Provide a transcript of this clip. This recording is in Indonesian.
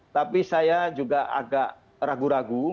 tapi saya juga agak ragu ragu